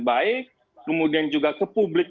baik kemudian juga ke publik